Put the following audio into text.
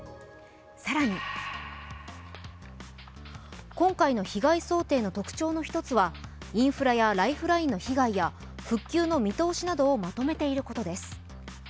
更に今回の被害想定の特徴の１つはインフラやライフラインの被害や復旧の見通しなどをまとめていることです。